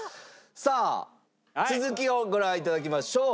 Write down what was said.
さあ続きをご覧頂きましょう。